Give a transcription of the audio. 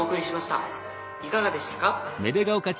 いかがでしたか？